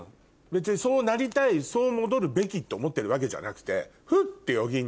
別にそうなりたいそう戻るべきって思ってるわけじゃなくて。